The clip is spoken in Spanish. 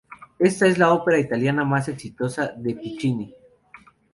Esta es la ópera italiana más exitosa de Piccinni.